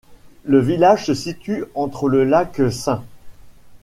Le village se situe entre le lac St.